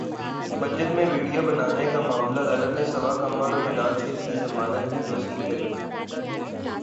مسجد میں ویڈیو بنانے کا معاملہ عدالت نے صبا قمر اور بلال سعید کی ضمانت کی توثیق کردی